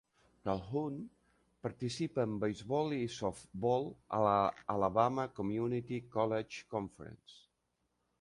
Calhoun participa en beisbol i softbol a la Alabama Community College Conference.